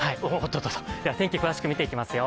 天気、詳しく見ていきますよ。